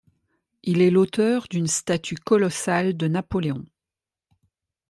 Il est l'auteur d'une statue colossale de Napoléon.